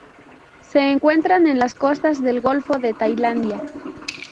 Se encuentran en las costas del Golfo de Tailandia.